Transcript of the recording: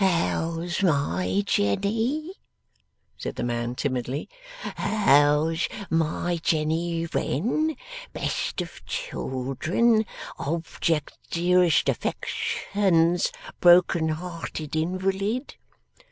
'How's my Jenny?' said the man, timidly. 'How's my Jenny Wren, best of children, object dearest affections broken hearted invalid?